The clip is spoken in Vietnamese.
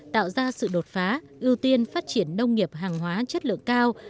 tạo ra sự đột phá ưu tiên phát triển nông nghiệp hàng hóa chất lượng cao